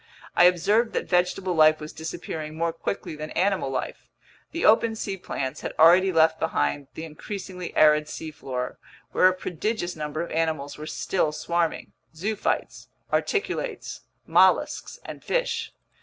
I observed that vegetable life was disappearing more quickly than animal life. The open sea plants had already left behind the increasingly arid seafloor, where a prodigious number of animals were still swarming: zoophytes, articulates, mollusks, and fish.